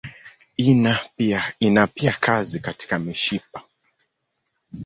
Ina pia kazi katika mishipa.